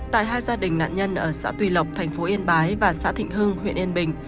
tại hai gia đình nạn nhân ở xã tùy lộc thành phố yên bái và xã thịnh hưng huyện yên bình